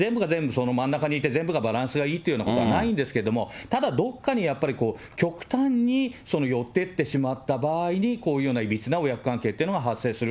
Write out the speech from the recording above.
全部が全部真ん中にいて、全部がバランスがいいってことはないんですけれども、ただどっかにやっぱり極端に寄ってってしまった場合に、こういうようないびつな親子関係というのが発生する。